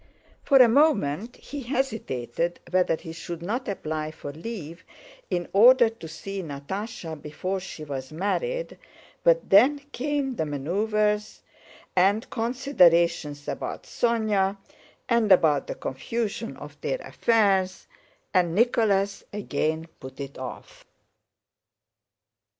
For a moment he hesitated whether he should not apply for leave in order to see Natásha before she was married, but then came the maneuvers, and considerations about Sónya and about the confusion of their affairs, and Nicholas again put it off.